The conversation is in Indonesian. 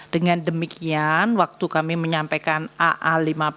dengan demikian waktu kami menyampaikan aa lima puluh